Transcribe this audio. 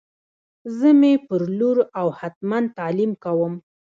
زه می پر لور او هتمن تعلیم کوم